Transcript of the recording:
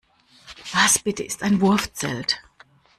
Was bitte ist ein Wurfzelt?